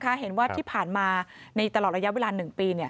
เห็นว่าที่ผ่านมาในตลอดระยะเวลา๑ปี